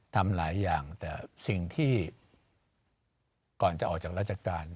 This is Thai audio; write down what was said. ทำหลายอย่างแต่สิ่งที่ก่อนจะออกจากราชการ